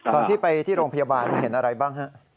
ตอนที่ไปที่โรงพยาบาลเห็นอะไรบ้างฮะ